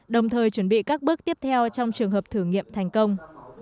đồng thời chuẩn bị các bước tiếp theo trong trường hợp thử nghiệm thành công